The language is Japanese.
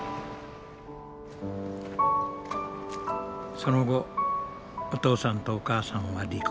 その後お父さんとお母さんは離婚。